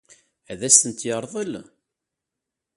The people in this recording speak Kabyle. Ad asent-t-yeṛḍel?